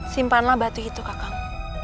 simpanlah batu itu kakang